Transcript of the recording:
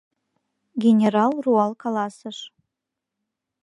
— генерал руал каласыш.